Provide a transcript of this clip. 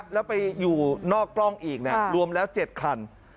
แล้วไปอยู่นอกกล้องอีกรวมแล้ว๗คัน